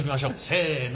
せの。